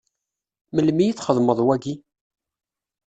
Melmi i txedmeḍ wagi?